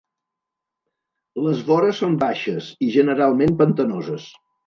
Les vores són baixes i generalment pantanoses.